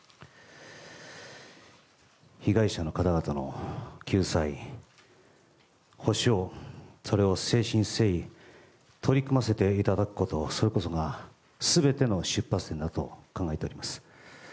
被害者の方々の救済、補償それを誠心誠意取り組ませていただくことそれこそが全ての出発点だと考えております。